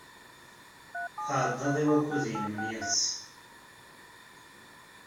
Tɛeddad i wakud-nnem n yiḍes.